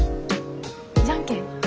じゃんけん。